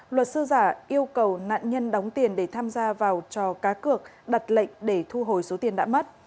luật sư giả yêu cầu nạn nhân đóng tiền để tham gia vào trò cá cược đặt lệnh để thu hồi số tiền đã mất